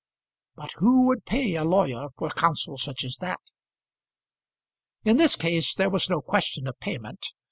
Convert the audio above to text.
But who would pay a lawyer for counsel such as that? In this case there was no question of payment.